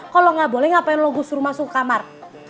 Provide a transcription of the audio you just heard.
kalo gak boleh ngapain lo gue suruh masuk ke kamar